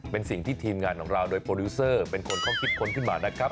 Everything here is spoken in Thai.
เป็นสิ่งที่ทีมงานของเราโดยโปรดิวเซอร์เป็นคนเขาคิดค้นขึ้นมานะครับ